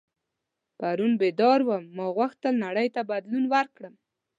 پرون بیدار وم ما غوښتل نړۍ ته بدلون ورکړم.